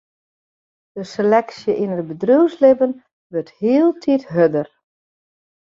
De seleksje yn it bedriuwslibben wurdt hieltyd hurder.